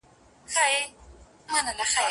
وعده پر رسېدو ده څوک به ځي څوک به راځي